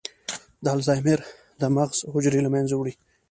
د الزایمر د مغز حجرې له منځه وړي.